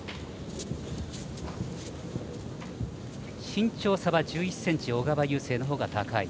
身長差は１１ｃｍ小川雄勢のほうが高い。